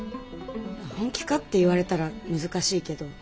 本気かって言われたら難しいけど。